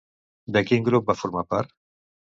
De quin grup va formar part?